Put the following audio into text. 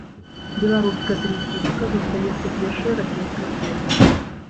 Беларуская тэнісістка застаецца першай ракеткай свету.